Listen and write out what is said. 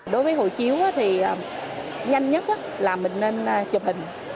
đối với hộ chiếu thì nhanh nhất là mình nên chụp hình